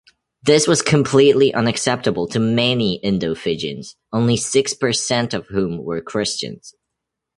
This was completely unacceptable to many Indo-Fijians, only six percent of whom were Christians.